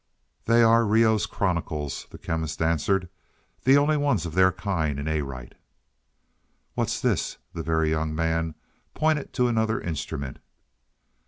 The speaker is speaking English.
"They are Reoh's chronicles," the Chemist answered. "The only ones of their kind in Arite." "What's this?" The Very Young Man pointed to another instrument.